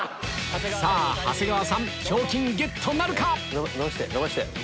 さぁ長谷川さん賞金ゲットなるか⁉伸ばして！